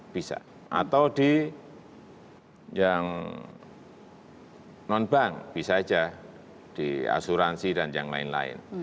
bisa atau di yang non bank bisa saja di asuransi dan yang lain lain